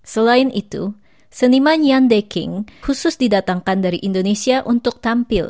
selain itu seniman yandeking khusus didatangkan dari indonesia untuk tampil